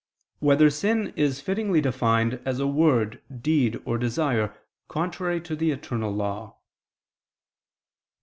6] Whether Sin Is Fittingly Defined As a Word, Deed, or Desire Contrary to the Eternal Law?